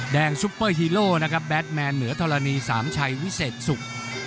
แดงซุปเปอร์ฮีโร่แบทแมนเหนือธรรณีสามชัยวิเศษสุก